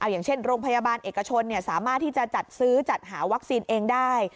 อย่างเช่นโรงพยาบาลเอกชนสามารถที่จะจัดซื้อจัดหาวัคซีนเองได้